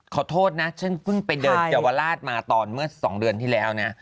ขอโทษนะฉันเพิ่งไปเดินเยาวราชมาตอนเมื่อ๒เดือนที่แล้วนะ